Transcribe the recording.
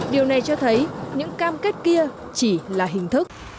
điều này cho thấy những cam kết kia chỉ là hình thức